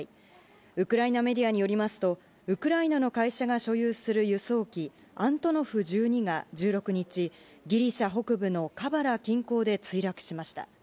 ウクライナメディアによりますと、ウクライナの会社が所有する輸送機、アントノフ１２が、１６日、ギリシャ北部のカバラ近郊で墜落しました。